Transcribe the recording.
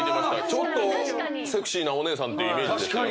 ちょっとセクシーなお姉さんっていうイメージでしたよ。